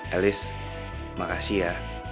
elis makasih ya